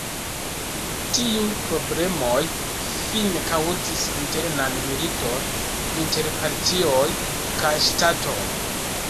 Tiu problemoj fine kaŭzis internan militon inter partioj kaj ŝtatoj.